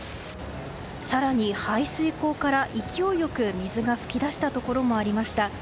更に排水溝から勢いよく水が噴き出したところもありました。